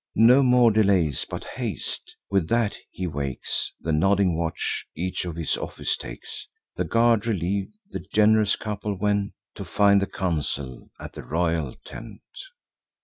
No more delays, but haste!" With that, he wakes The nodding watch; each to his office takes. The guard reliev'd, the gen'rous couple went To find the council at the royal tent.